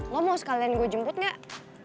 lo mau sekalian gue jemput gak